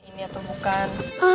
ini ato bukan